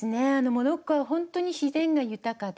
モロッコはほんとに自然が豊かで。